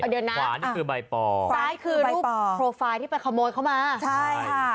เดี๋ยวนะซ้ายคือรูปโปรไฟล์ที่เป็นเขาโมดเข้ามาใช่ค่ะ